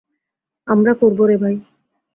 আমরা করবো, রে ভাই!